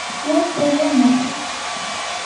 Rop the rameras!